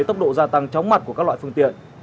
tốc độ gia tăng chóng mặt của các loại phương tiện